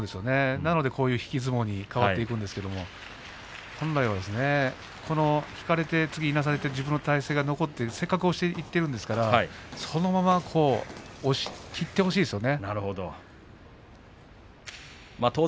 なので引き相撲に変わっていくんですが本来なら引かれて、いなされて自分の体勢が残ってせっかく押していっているんですからそのまま押しきってほしいですよね。